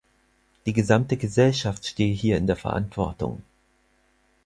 Die gesamte Gesellschaft stehe hier in der Verantwortung.